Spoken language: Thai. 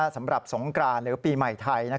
สำหรับสงกรานหรือปีใหม่ไทย